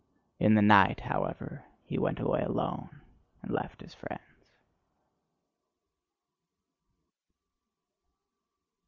In the night, however, he went away alone and left his friends.